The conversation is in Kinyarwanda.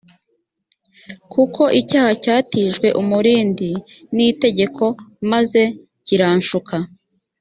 kuko icyaha cyatijwe umurindi n itegeko maze kiranshuka